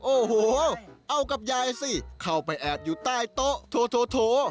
โอ้โหเอากับยายสิเข้าไปแอบอยู่ใต้โต๊ะโถ